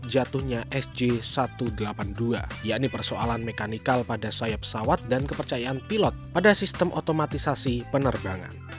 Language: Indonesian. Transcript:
jatuhnya sj satu ratus delapan puluh dua yakni persoalan mekanikal pada sayap pesawat dan kepercayaan pilot pada sistem otomatisasi penerbangan